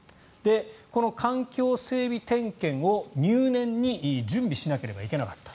この環境整備点検を入念に準備しなければいけなかった。